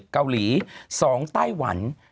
เกาหลี๒ไต้หวัน